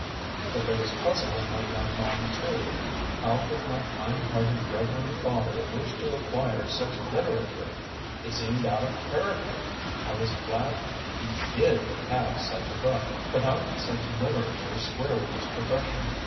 But there was puzzle in my young mind, too ; how could my kind hearted reverend father wish to acquire such literature? It seemed out of charac ter. I was glad he did have such a book; but how did such literature square with his profession?